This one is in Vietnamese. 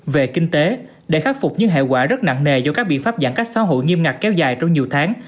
về kinh tế để khắc phục những hệ quả rất nặng nề do các biện pháp giãn cách xã hội nghiêm ngặt kéo dài trong nhiều tháng